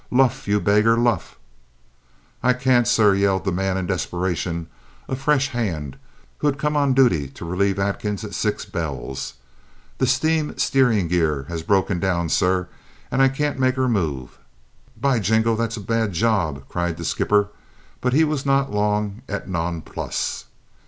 "Luff, you beggar, luff!" "I can't, sir," yelled the man in desperation a fresh hand who had come on duty to relieve Atkins at six bells. "The steam steering gear has broken down, sir, and I can't make her move." "By Jingo, that's a bad job," cried the skipper, but he was not long at a nonplus.